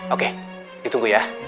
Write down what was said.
oke ditunggu ya